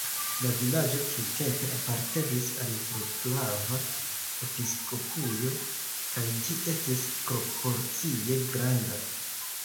La vilaĝo tiutempe apartenis al vroclava episkopujo kaj ĝi estis proporcie granda.